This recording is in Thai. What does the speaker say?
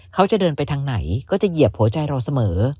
เขาจะเดินไปทางไหนก็จะเหยียบหัวใจเราเสมอ